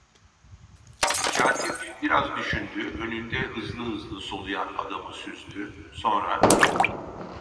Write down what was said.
Katip biraz düşündü, önünde hızlı hızlı soluyan adamı süzdü, sonra: